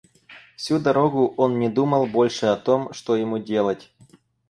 Всю дорогу он не думал больше о том, что ему делать.